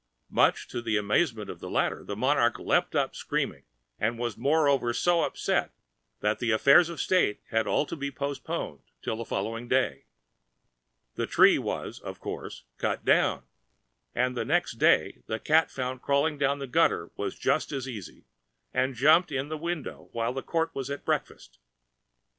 Much to the amazement of the latter, the monarch leapt up screaming, and was moreover so upset, that the affairs of state had all to be postponed till the following day. The tree was, of course, cut down; and the next day the cat found crawling down the gutter to be just as easy, and jumped in the window while the court was at breakfast.